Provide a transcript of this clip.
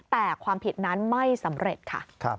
แต่ความผิดนั้นไม่สำเร็จค่ะ